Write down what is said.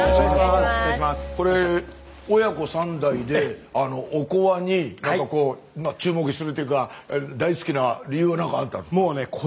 これ親子３代でおこわに注目するっていうか大好きな理由は何かあったんですか？